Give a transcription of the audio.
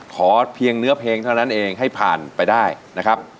ขอเพียงเนื้อเพลงเท่านั้นเองให้ผ่านไปได้นะครับ